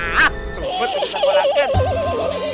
su betul betul sakwaran